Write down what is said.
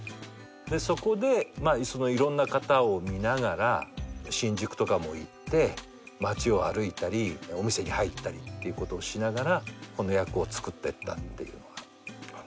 でそこでいろんな方を見ながら新宿とかも行って街を歩いたりお店に入ったりっていうことをしながらこの役を作ってった。